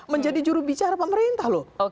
menjadi jurubicara pemerintah loh